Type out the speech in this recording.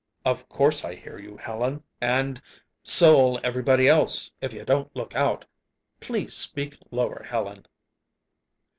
"Of course I hear you, Helen; and so'll everybody else, if you don't look out. Please speak lower, Helen!"